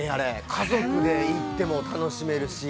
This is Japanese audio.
家族で行っても楽しめるし。